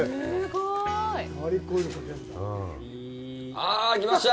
あ、来ました。